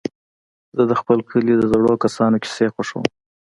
زه د خپل کلي د زړو کسانو کيسې خوښوم.